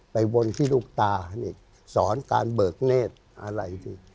บนที่ลูกตานี่สอนการเบิกเนธอะไรสิ